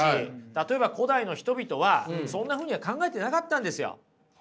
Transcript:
例えば古代の人々はそんなふうには考えてなかったんですよ。